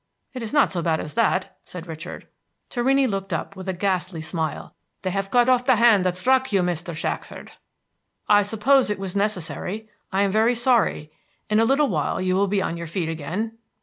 "It is not so bad as that," said Richard. Torrini looked up with a ghastly smile. "They have cut off the hand that struck you, Mr. Shackford." "I suppose it was necessary. I am very sorry. In a little while you will be on your feet again."